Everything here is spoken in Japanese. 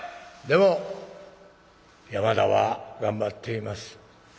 「でも山田は頑張っています。